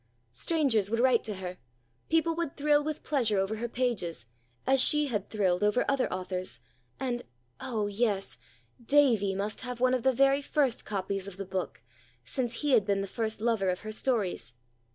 Strangers would write to her, people would thrill with pleasure over her pages as she had thrilled over other authors, and oh, yes! Davy must have one of the very first copies of the book, since he had been the first lover of her stories.